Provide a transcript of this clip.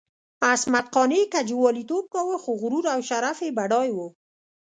عصمت قانع که جواليتوب کاوه، خو غرور او شرف یې بډای وو.